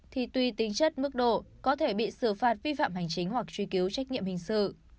thì tùy tính chất mức độ có thể bị xử phạt vi phạm hành chính hoặc truy cứu trách nhiệm hình sự